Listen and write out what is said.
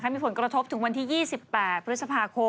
มีผลกระทบถึงวันที่๒๘พศ